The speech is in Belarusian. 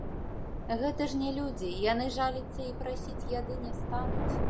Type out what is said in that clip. Гэта ж не людзі, яны жаліцца і прасіць яды не стануць.